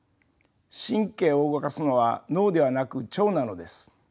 神経を動かすのは脳ではなく腸なのです。